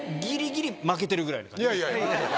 いやいや。